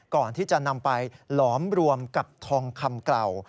ก่อนที่จะนำไปหลอมรวมกับทองคำกล่าว